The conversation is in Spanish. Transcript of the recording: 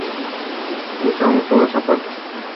Aquí hay una representación más legible del archivo.